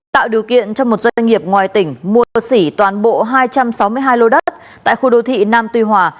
tạo điều kiện cho một doanh nghiệp ngoài tỉnh mua xỉ toàn bộ hai trăm sáu mươi hai lô đất tại khu đô thị nam tuy hòa